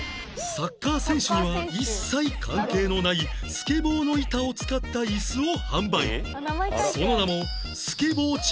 サッカー選手には一切関係のないスケボーの板を使ったイスを販売